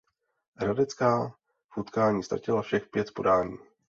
Hradecká v utkání ztratila všech pět podání.